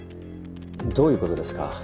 どういうことですか？